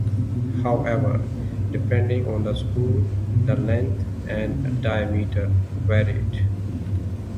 However, depending on the school the length and diameter varied.